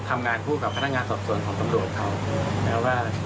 ทำงานผู้กับพนักงานสอบส่วนของกำโลกเขา